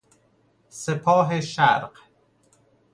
سپاه شرق